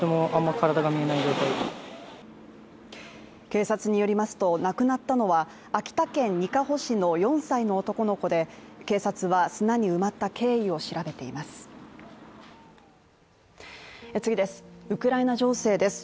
警察によりますと、亡くなったのは秋田県にかほ市の４歳の男の子で警察は砂に埋まった経緯を調べています。